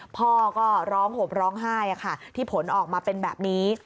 พ่อก็ร้องห่มร้องไห้ที่ผลออกมาเป็นแบบนี้